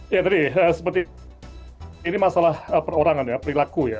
ya tadi seperti ini masalah perorangan ya perilaku ya